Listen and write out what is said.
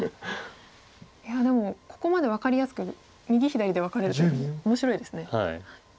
いやでもここまで分かりやすく右左で分かれるというのも面白いですね。